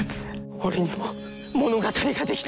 俺にも物語が出来た。